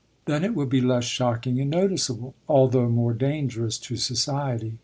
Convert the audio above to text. Then it will be less shocking and noticeable, although more dangerous to society."